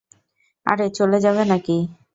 আরে, চলে যাবে নাকি?